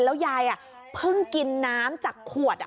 แล้วยายเพิ่งกินน้ำจากขวด